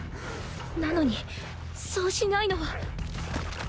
なのにそうしないのは。